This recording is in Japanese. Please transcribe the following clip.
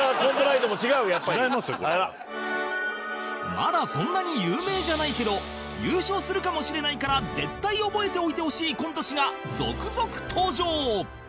まだそんなに有名じゃないけど優勝するかもしれないから絶対覚えておいてほしいコント師が続々登場！